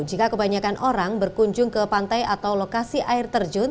jika kebanyakan orang berkunjung ke pantai atau lokasi air terjun